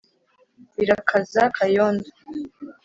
Birakaza Kayondo